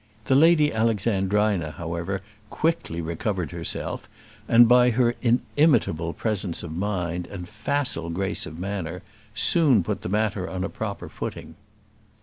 The Lady Alexandrina, however, quickly recovered herself, and, by her inimitable presence of mind and facile grace of manner, soon put the matter on a proper footing.